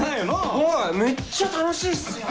はいめっちゃ楽しいっすよ。